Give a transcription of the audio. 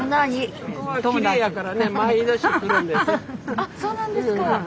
あっそうなんですか。